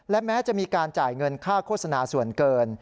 และแม้จะมีการจ่ายเงินค่าโฆษณาส่วนเกิน